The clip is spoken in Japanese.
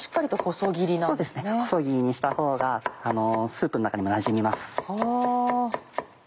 細切りにしたほうがスープの中にもなじみます。